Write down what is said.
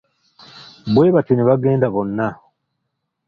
Bwe batyo ne bagenda bonna.